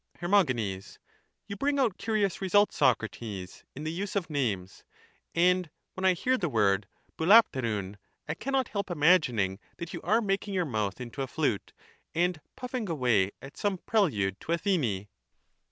Her. You bring out curious results, Socrates, in the use of names ; and when I hear the word ^ovXaTx Epovv I cannot help imagining that you are making your mouth into a flute, and puffing away at some prelude to Athene.